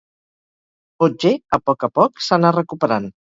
Otger, a poc a poc, s'anà recuperant.